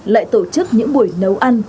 lại tổ chức những buổi nấu ăn